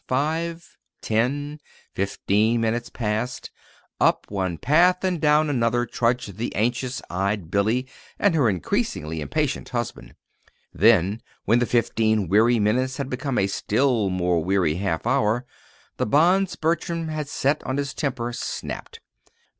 Five, ten, fifteen minutes passed. Up one path and down another trudged the anxious eyed Billy and her increasingly impatient husband. Then when the fifteen weary minutes had become a still more weary half hour, the bonds Bertram had set on his temper snapped.